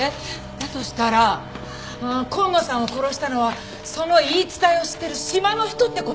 だとしたら今野さんを殺したのはその言い伝えを知ってる島の人って事？